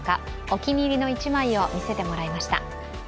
お気に入りの一枚を見せてもらいました。